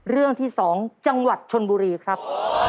เรื่องที่๒จังหวัดชนบุรีครับ